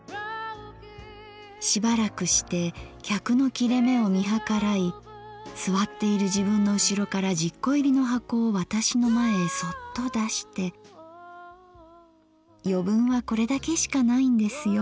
しばらくして客の切れ目を見はからい座っている自分のうしろから十個入りの箱を私の前へそっと出して『余分はこれだけしかないんですよ